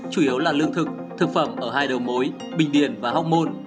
chủ yếu là lương thực thực phẩm ở hai đầu mối bình điền và hóc môn